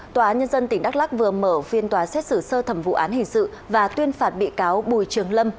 tòa án nhân dân tỉnh đắk lắc vừa mở phiên tòa xét xử sơ thẩm vụ án hình sự và tuyên phạt bị cáo bùi trường lâm